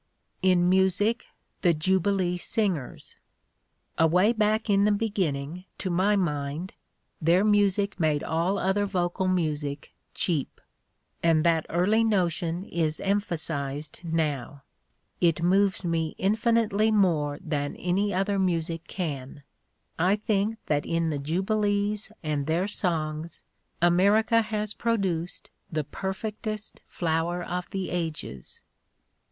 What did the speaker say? In music, the Jubilee Singers: "Away back in the beginning — to my mind — their music made all other vocal music cheap; and that early notion is emphasized now. ... It moves me infinitely more than any other music can. I think that in the jubilees and their songs America has produced the perf ectest flower of the ages.